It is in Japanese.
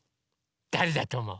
だれだとおもう？